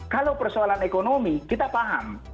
kalau persoalan ekonomi kita paham